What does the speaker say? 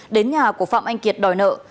đến nhà của phạm anh kiệt đòi nợ